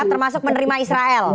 termasuk menerima israel